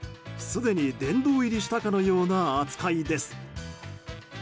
すでに殿堂入りしたかのような扱いです。